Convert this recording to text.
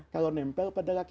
kalau nempel pada laki laki